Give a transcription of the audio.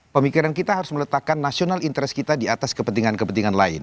pemikiran kita harus meletakkan national interest kita di atas kepentingan kepentingan lain